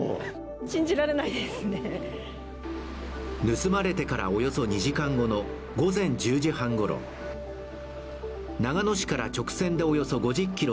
盗まれてからおよそ２時間後の午前１０時半ごろ長野市から直線でおよそ５０ｋｍ